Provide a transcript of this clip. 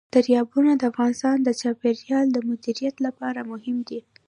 دریابونه د افغانستان د چاپیریال د مدیریت لپاره مهم دي.